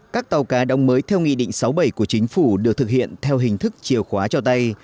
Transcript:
các tàu cá đóng mới theo nghị định sáu bảy của chính phủ được thực hiện theo hình thức chìa khóa cho tay